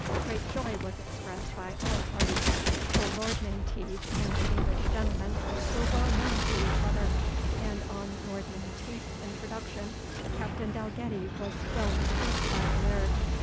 Great joy was expressed by all parties, for Lord Menteith and the English gentlemen were well known to each other; and on Lord Menteith's introduction, Captain Dalgetty was well received by the Laird.